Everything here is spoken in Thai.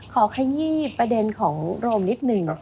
ขยี้ประเด็นของโรมนิดหนึ่ง